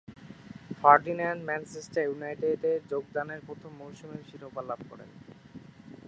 Ferdinand Manchester ইউনাইটেডে যোগদানের প্রথম মৌসুমেই শিরোপা লাভ করেন।